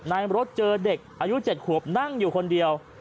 ในรถเจอเด็กอายุ๗ขวบนั่งอยู่คนเดียว